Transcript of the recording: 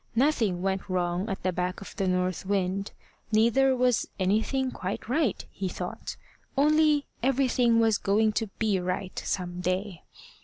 Nothing went wrong at the back of the north wind. Neither was anything quite right, he thought. Only everything was going to be right some day.